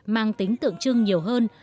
mang tính tượng trưng nhiều hơn